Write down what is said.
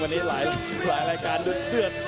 วันนี้หลายรายการด้วยเลือด